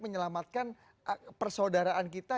menyelamatkan persaudaraan kita